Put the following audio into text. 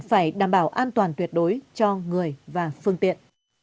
phải đảm bảo an toàn tuyệt đối cho người và phương tiện